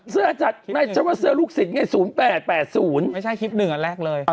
เพย์จักรแชนน้ำหลักเลย